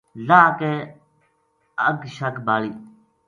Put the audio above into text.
لاہ کے اگ شگ بالی